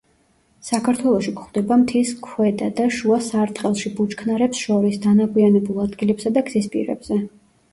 საქართველოში გვხვდება მთის ქვედა და შუა სარტყელში ბუჩქნარებს შორის, დანაგვიანებულ ადგილებსა და გზის პირებზე.